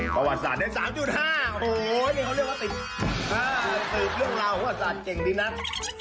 ภาวะศาสตร์๓๕โอ้โฮนี่เขาเรียกว่าติด